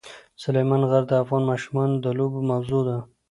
سلیمان غر د افغان ماشومانو د لوبو موضوع ده.